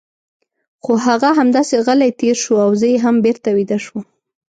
خو هغه همداسې غلی تېر شو او زه هم بېرته ویده شوم.